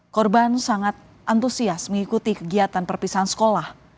korban sangat antusias mengikuti kegiatan perpisahan sekolah